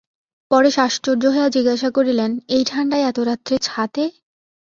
পরেশ আশ্চর্য হইয়া জিজ্ঞাসা করিলেন, এই ঠাণ্ডায় এত রাত্রে ছাতে?